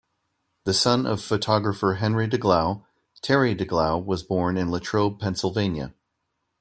The son of photographer Henry Deglau, Terry Deglau was born in Latrobe, Pennsylvania.